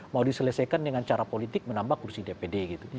mau diselesaikan dengan cara politik menambah kursi dpd gitu